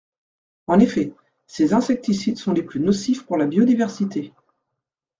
En effet, ces insecticides sont les plus nocifs pour la biodiversité.